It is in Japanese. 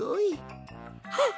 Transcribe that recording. はっ！